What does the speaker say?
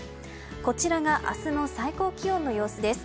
こちらが明日の最高気温の様子です。